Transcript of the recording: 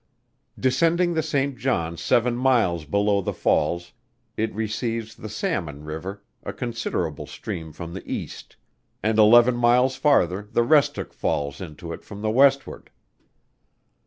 Descending the St. John seven miles below the falls, it receives the Salmon river, a considerable stream from the east, and eleven miles farther the Restook falls into it from the westward.